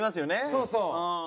そうそう。